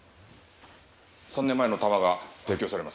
３年前の弾が提供されます。